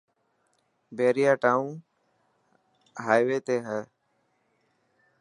بهريا ٽاون هائوي تي هي.